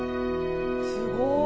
すごい。